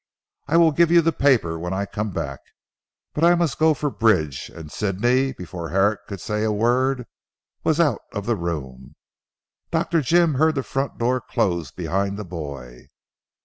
I will give you the paper when I come back. But I must go for Bridge," and Sidney, before Herrick could say a word, was out of the room. Dr. Jim heard the front door close behind the boy.